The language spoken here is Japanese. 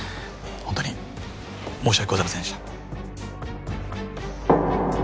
本当に申し訳ございませんでした。